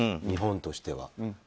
日本としては。